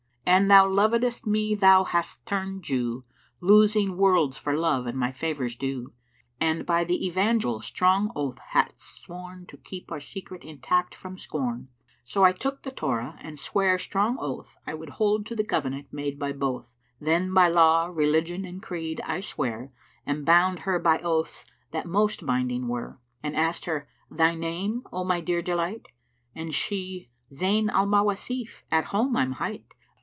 An thou lovedest me thou hadst turnčd Jew, Losing worlds for love and my favours due; And by the Evangel strong oath hadst sworn To keep our secret intact from scorn!' So I took the Torah and sware strong oath I would hold to the covenant made by both. Then by law, religion and creed I sware, And bound her by oaths that most binding were; And asked her, 'Thy name, O my dear delight?' And she, 'Zayn al Mawásif at home I'm hight!'